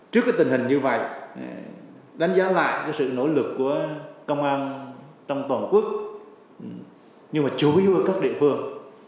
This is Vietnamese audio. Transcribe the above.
trước cái tình hình như vậy đánh giá lại sự nỗ lực của công an trong toàn quốc nhưng mà chủ yếu ở các địa phương